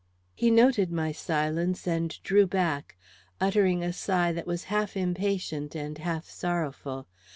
He noted my silence and drew back, uttering a sigh that was half impatient and half sorrowful.